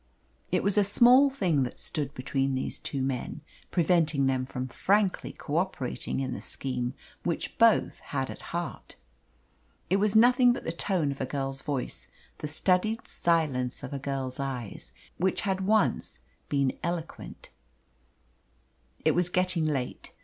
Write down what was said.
It was a small thing that stood between these two men, preventing them from frankly co operating in the scheme which both had at heart. It was nothing but the tone of a girl's voice, the studied silence of a girl's eyes, which had once been eloquent. It was getting late.